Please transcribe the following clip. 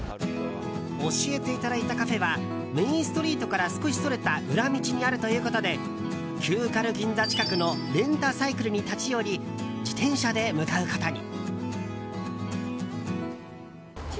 教えていただいたカフェはメインストリートから少しそれた裏道にあるということで旧軽銀座近くのレンタサイクルに立ち寄り自転車で向かうことに。